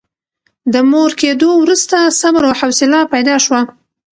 د مور کېدو وروسته صبر او حوصله پیدا شوه.